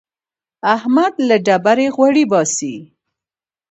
احمد له ډبرې غوړي باسي.